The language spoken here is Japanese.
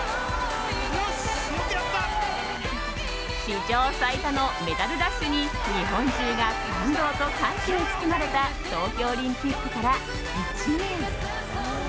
史上最多のメダルラッシュに日本中が感動と歓喜に包まれた東京オリンピックから１年。